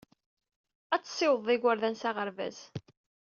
Ad tessiwḍed igerdan s aɣerbaz.